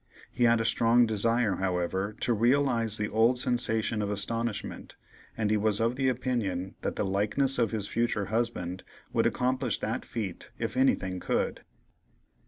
He had a strong desire, however, to realize the old sensation of astonishment, and he was of the opinion that the "likeness of his future husband" would accomplish that feat if anything could.